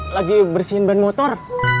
lagi bersihin ban motor